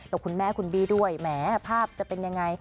กับคุณแม่คุณบี้ด้วยแหมภาพจะเป็นยังไง